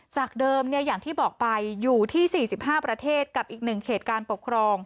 จากเดิมอย่างที่บอกไปอยู่ที่๔๕ประเทศกับอีก๑เขตการปกครอง